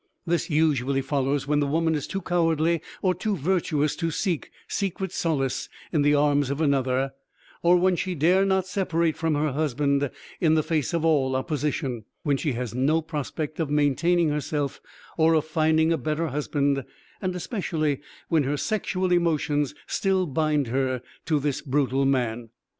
This usually follows when the woman is too cowardly or too virtuous to seek secret solace in the arms of another, or when she dare not separate from her husband in the face of all opposition, when she has no prospect of maintaining herself or of finding a better husband and especially when her sexual emotions still bind her to this brutal man.